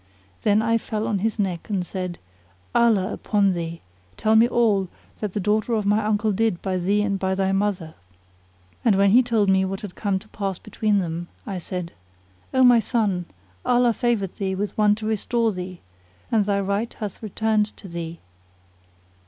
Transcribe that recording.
Then I fell on his neck and said, "Allah upon thee, tell me all that the daughter of my uncle did by thee and by thy mother." And when he told me what had come to pass between them I said, " O my son, Allah favoured thee with one to restore thee, and thy right hath returned to thee."